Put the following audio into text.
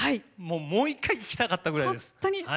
もう一回聴きたかったぐらいです。